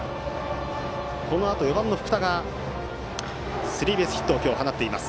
このあと、４番の福田がスリーベースヒットを今日、放っています。